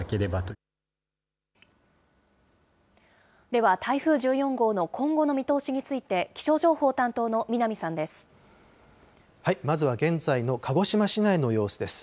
では、台風１４号の今後の見通しについて、まずは現在の鹿児島市内の様子です。